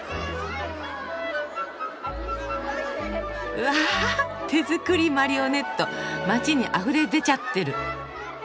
うわ手作りマリオネット街にあふれ出ちゃってる。